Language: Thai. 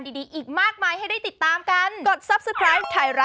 นี่มันได้ตอบปลูบ